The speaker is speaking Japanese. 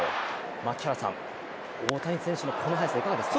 槙原さん、大谷選手のこの速さいかがですか？